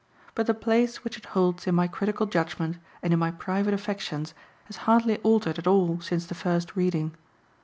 But the place which it holds in my critical judgment and in my private affections has hardly altered at all since the first reading.